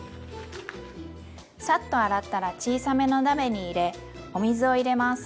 サッと洗ったら小さめの鍋に入れお水を入れます。